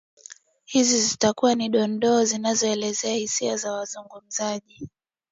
hizi zitakuwa ni dondoo zinazoelezea hisia za wazungumzaji